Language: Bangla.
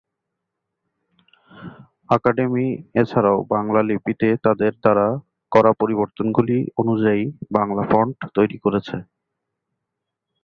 আকাদেমি এছাড়াও বাংলা লিপিতে তাদের দ্বারা করা পরিবর্তনগুলি অনুযায়ী বাংলা ফন্ট তৈরি করেছে।